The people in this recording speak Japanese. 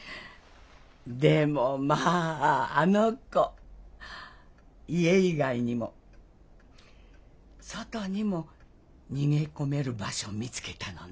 でもまああの子家以外にも外にも逃げ込める場所を見つけたのねえ。